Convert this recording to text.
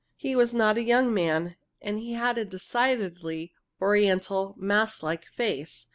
He was not a young man, and he had a decidedly Oriental, mask like face.